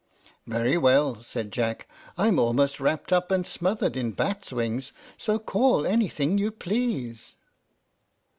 "Very well," said Jack. "I'm almost wrapped up and smothered in bats' wings, so call anything you please."